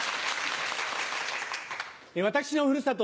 私のふるさと